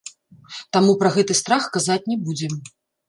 Таму пра гэты страх казаць не будзем.